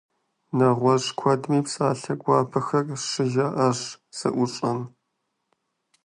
Нэгъуэщӏ куэдми псалъэ гуапэхэр щыжаӏащ зэӏущӏэм.